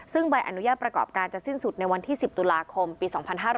ซึ่งใบอนุญาตประกอบการจะสิ้นสุดในวันที่๑๐ตุลาคมปี๒๕๕๙